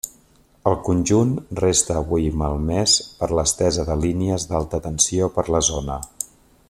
El conjunt resta avui malmès per l'estesa de línies d'alta tensió per la zona.